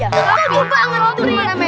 aku bangun tidur ya